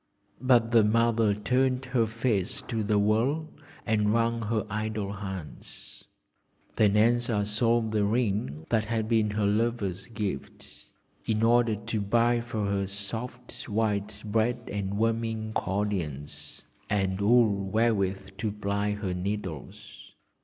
But the mother turned her face to the wall and wrung her idle hands. Then Elsa sold the ring that had been her lover's gift in order to buy for her soft white bread and warming cordials, and wool wherewith to ply her needles.